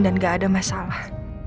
dan gak ada masalah